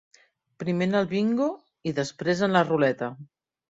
Primer en el bingo, i després en la ruleta.